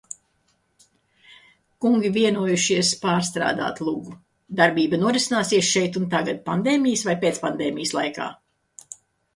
Kungi vienojušies pārstrādāt lugu – darbība norisināsies šeit un tagad, pandēmijas vai "pēcpandēmijas" laikā.